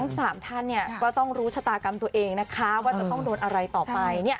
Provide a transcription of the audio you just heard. ๓ท่านก็ต้องรู้ชะตากรรมตัวเองนะคะว่าจะต้องโดนอะไรต่อไป